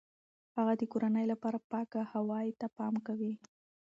هغه د کورنۍ لپاره پاک هوای ته پام کوي.